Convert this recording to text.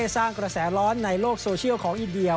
สร้างกระแสร้อนในโลกโซเชียลของอินเดีย